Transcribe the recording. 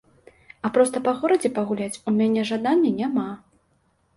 А проста па горадзе пагуляць у мяне жадання няма.